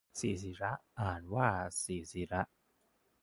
ศิศิร อ่านว่า สิสิระ